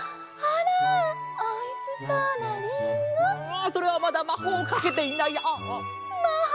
ああそれはまだまほうをかけていないあっあっ。